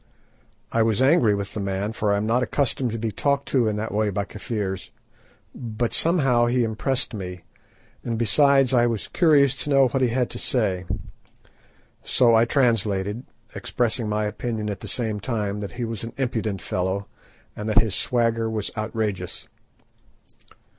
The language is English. I was angry with the man, for I am not accustomed to be talked to in that way by Kafirs, but somehow he impressed me, and besides I was curious to know what he had to say. So I translated, expressing my opinion at the same time that he was an impudent fellow, and that his swagger was outrageous.